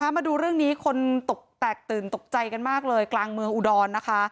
มาดูเรื่องนี้คนตกแตกตื่นตกใจกันมากเลยกลางเมืองอุดรนะคะ